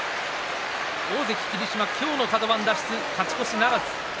大関霧島、カド番脱出勝ち越しならず。